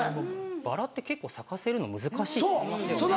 バラって結構咲かせるの難しいっていいますよね。